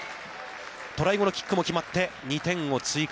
トライ後のキックも決まって２点を追加。